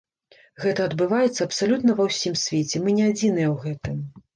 Гэта адбываецца абсалютна ва ўсім свеце, мы не адзіныя ў гэтым.